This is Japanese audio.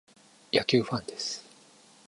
野球ファンです。